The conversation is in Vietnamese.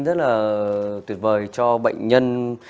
rất là tuyệt vời cho bệnh nhân